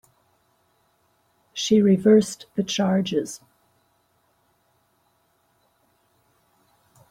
She reversed the charges.